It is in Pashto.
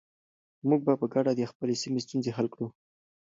موږ به په ګډه د خپلې سیمې ستونزې حل کړو.